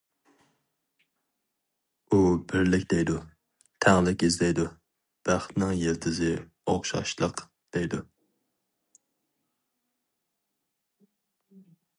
ئۇ بىرلىك دەيدۇ، تەڭلىك ئىزدەيدۇ، بەختنىڭ يىلتىزى ئوخشاشلىق دەيدۇ.